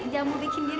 jangan mau bikin diri